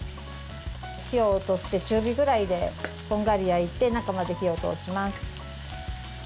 火を落として中火ぐらいで、こんがり焼いて中まで火を通します。